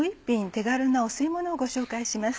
手軽なお吸いものをご紹介します。